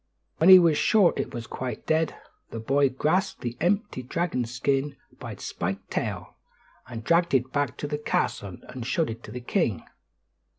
When he was sure it was quite dead, the boy grasped the empty dragon skin by its spiked tail, and dragged it back to the castle and showed it to the king.